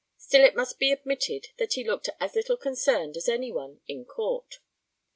Still it must be admitted that he looked as little concerned as any one in Court.